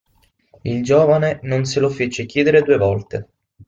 Il giovane non se lo fece chiedere due volte.